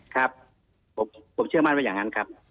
ครับผมเชื่อมั่นว่าอย่างนั้นครับ